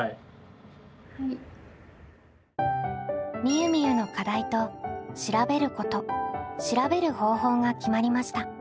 みゆみゆの課題と「調べること」「調べる方法」が決まりました。